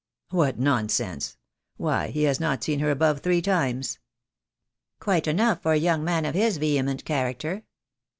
"What nonsense! Why, he has not seen her above three times." "Quite enough for a young man of his vehement character."